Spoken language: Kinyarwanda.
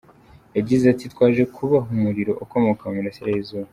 Yagize ati “Twaje kubaha umuriro ukomoka mu mirasire y’izuba.